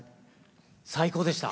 最高でした。